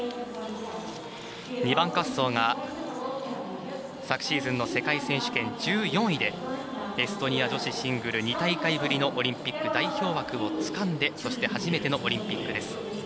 ２番滑走が昨シーズンの世界選手権１４位でエストニア女子シングル２大会ぶりのオリンピック代表枠をつかんでそして初めてのオリンピックです。